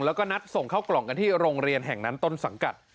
แล้วก็นัดส่งเข้ากล่องกันที่โรงเรียนแห่งนั้นต้นสังกัด